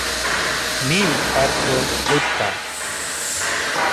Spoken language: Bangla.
মিম অর্থ ভুট্টা।